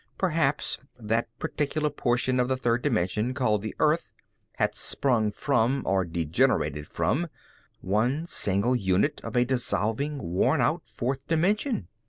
Perhaps that particular portion of the third dimension called the Earth had sprung from, or degenerated from, one single unit of a dissolving, worn out fourth dimension.